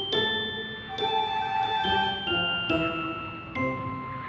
star blossom kapan kau memulai membuat lelucon buruk seperti itu